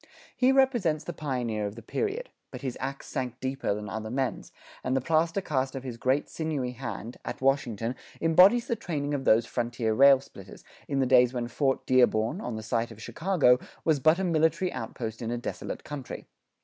He represents the pioneer of the period; but his ax sank deeper than other men's, and the plaster cast of his great sinewy hand, at Washington, embodies the training of these frontier railsplitters, in the days when Fort Dearborn, on the site of Chicago, was but a military outpost in a desolate country.